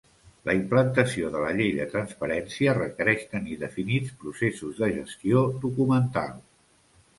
La implantació de la llei de transparència requereix tenir definits processos de gestió documental.